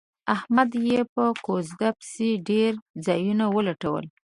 احمد ته یې په کوزده پسې ډېر ځایونه ولټول.